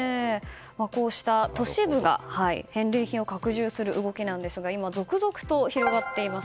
こうした都市部が返礼品を拡充する動きなんですが今、続々と広がっています。